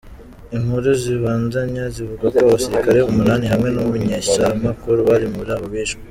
Inkuru zibandanya zivuga ko abasirikare umunani hamwe n'umumenyeshamakuru bari muri abo bishwe.